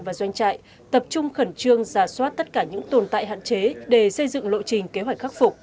và doanh trại tập trung khẩn trương giả soát tất cả những tồn tại hạn chế để xây dựng lộ trình kế hoạch khắc phục